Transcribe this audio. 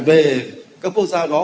về các quốc gia đó